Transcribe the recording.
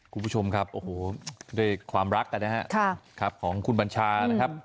คุณผู้ชมครับโอ้โหด้วยความรักนะครับของคุณบัญชานะครับ